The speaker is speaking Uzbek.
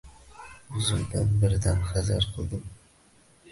Oʻzimdan birdan hazar qildim.